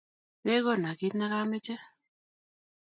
Megono kiit nagameche